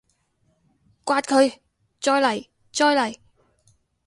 摑佢！再嚟！再嚟！